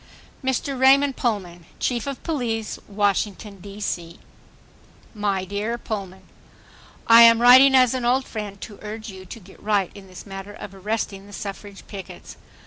Mr. Raymond Pullman, Chief of Police, Washington, D. C. My dear Pullman,— I am writing as an old friend to urge you to get right in this matter of arresting the suffrage pickets.